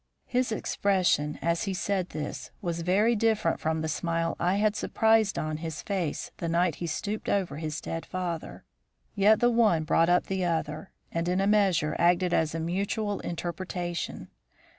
His expression as he said this was very different from the smile I had surprised on his face the night he stooped over his dead father. Yet the one brought up the other, and, in a measure, acted as a mutual interpretation.